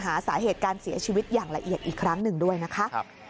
หาสาเหตุการเสียชีวิตอย่างละเอียดอีกครั้งหนึ่งด้วยนะคะ